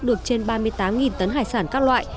được trên ba mươi tám tấn hải sản các loại